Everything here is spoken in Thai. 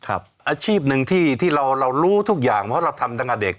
อาชีพหนึ่งที่เรารู้ทุกอย่างเพราะเราทำตั้งแต่เด็ก